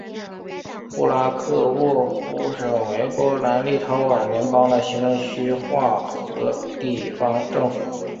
布拉克沃夫省为波兰立陶宛联邦的行政区划和地方政府。